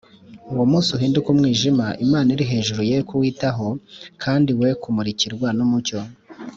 uwo munsi uhinduke umwijima, imana iri hejuru ye kuwitaho, kandi we kumurikirwa n’umucyo